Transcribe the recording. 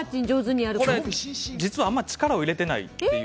実はあんまり力を入れてない。